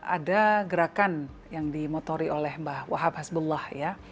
ada gerakan yang dimotori oleh mbak wahab hasbullah ya